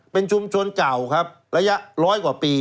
เป็นชุมชนเก่าครับระยะร้อยกว่าปี